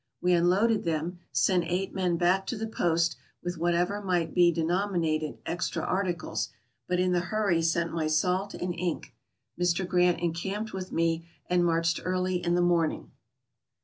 We unloaded them, sent eight men back to the post with whatever might be denom inated extra articles, but in the hurry sent my salt and ink. Mr. Grant encamped with me and marched early in the morning.